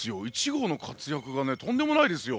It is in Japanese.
１号の活躍がねとんでもないですよ。